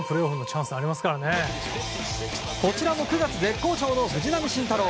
こちらも９月絶好調の藤浪晋太郎。